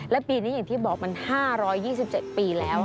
และปีนี้อย่างที่บอกมัน๕๒๗ปีแล้ว